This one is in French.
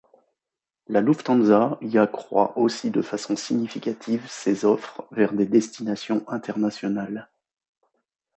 La Lufthansa y accroit aussi de façon significative ses offres vers des destinations internationales.